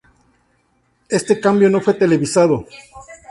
Éste cambio no fue televisado.